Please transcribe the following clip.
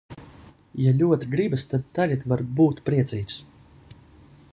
Ja ļoti gribas, tad tagad var būt priecīgs.